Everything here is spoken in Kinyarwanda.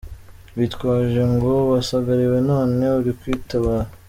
witwaje ngo wasagariwe none uri kwitabara.